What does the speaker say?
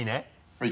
はい。